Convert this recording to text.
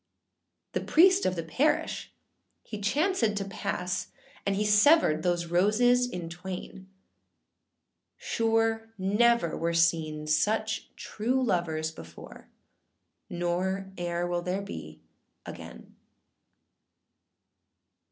The priest of the parish he chancèd to pass, And he severed those roses in twain. Sure never were seen such true lovers before, Nor eâer will there be again.